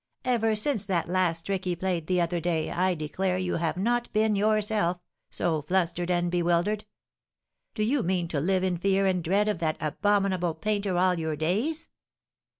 Ever since that last trick he played the other day, I declare you have not been yourself, so flustered and bewildered! Do you mean to live in fear and dread of that abominable painter all your days?"